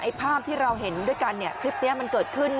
ภาพที่เราเห็นด้วยกันเนี่ยคลิปนี้มันเกิดขึ้น